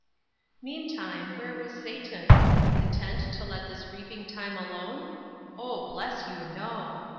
Meantime, where was Satan? Content to let this reaping time alone? Oh, bless you, no!